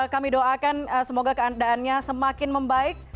kami doakan semoga keadaannya semakin membaik